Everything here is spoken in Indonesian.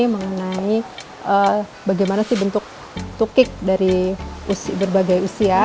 mengenai bagaimana sih bentuk tukik dari berbagai usia